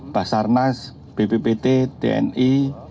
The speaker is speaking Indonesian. basarnas bppt tni